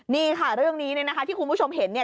นี่ค่ะเรื่องนี้เนี่ยนะคะที่คุณผู้ชมเห็นเนี่ย